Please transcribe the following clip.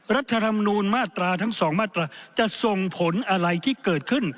รัฐธรรมนูลมาตราทั้ง๒มาตราจะส่งผลอะไรที่เกิดขึ้น